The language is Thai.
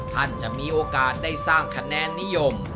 ท่านจะมีโอกาสได้สร้างคะแนนนิยม